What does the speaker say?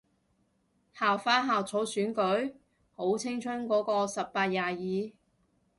校花校草選舉？好青春個個十八廿二